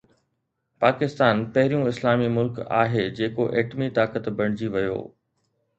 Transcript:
پاڪستان پهريون اسلامي ملڪ آهي جيڪو ايٽمي طاقت بڻجي ويو